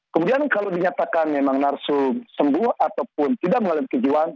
kemudian kalau dinyatakan memang tarsum sembuh ataupun tidak mengalami kejiwaan